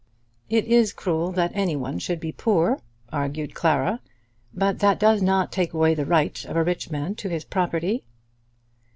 "It is cruel that any one should be poor," argued Clara; "but that does not take away the right of a rich man to his property."